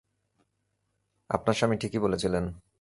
আপনার স্বামী ঠিকই বলেছিলেন!